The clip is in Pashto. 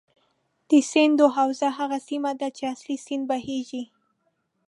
د سیند حوزه هغه سیمه ده چې اصلي سیند بهیږي.